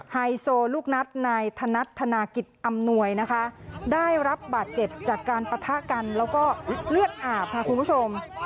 ไฮโซลูกนัดนายธนัดธนากิจอำนวยนะคะได้รับบาดเจ็บจากการปะทะกันแล้วก็เลือดอาบค่ะคุณผู้ชม